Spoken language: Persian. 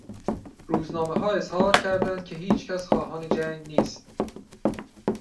روزنامهها اظهار نظر کردند که هیچ کس خواهان جنگ نیست.